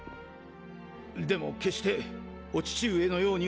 でも決してお父上のようにはならない。